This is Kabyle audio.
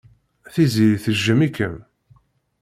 Tiziri tejjem-ikem.